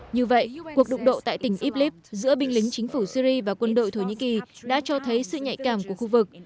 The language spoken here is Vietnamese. như vậy cuộc đụng độ tại tỉnh iblis giữa binh lính chính phủ syri và quân đội thổ nhĩ kỳ đã cho thấy sự nhạy cảm của khu vực